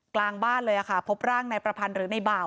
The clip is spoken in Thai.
กลางบ้านเลยค่ะพบร่างนายประพันธ์หรือในบ่าว